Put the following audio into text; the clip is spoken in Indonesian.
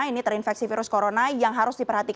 ini terinfeksi virus corona yang harus diperhatikan